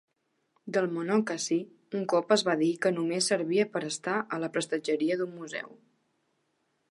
Del "Monocacy" un cop es va dir que "només servia per estar a la prestatgeria d'un museu.